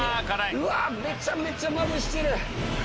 うわめちゃめちゃまぶしてる！